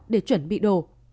để chuẩn bị đồ